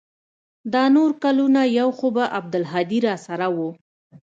دا نور کلونه يو خو به عبدالهادي راسره و.